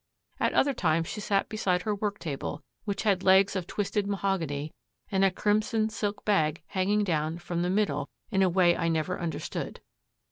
At other times she sat beside her work table, which had legs of twisted mahogany, and a crimson silk bag hanging down from the middle in a way I never understood.